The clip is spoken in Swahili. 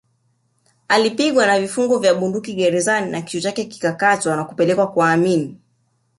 Alipigwa na vifungo vya bunduki gerezani na kichwa chake kilikatwa na kupelekwa kwa Amin